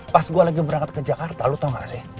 pas gue lagi berangkat ke jakarta lu tau gak sih